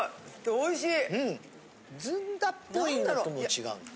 ・おいしい！